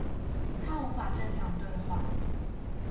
他無法正常對話